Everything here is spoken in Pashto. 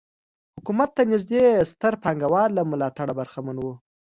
حکومت ته نږدې ستر پانګوال له ملاتړه برخمن وو.